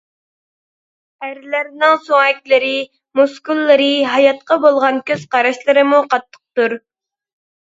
ئەرلەرنىڭ سۆڭەكلىرى، مۇسكۇللىرى، ھاياتقا بولغان كۆز قاراشلىرىمۇ قاتتىقتۇر.